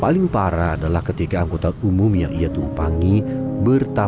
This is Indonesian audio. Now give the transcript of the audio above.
paling parah adalah ketika angkutan berjualan kakek ini yang berjualan di daerah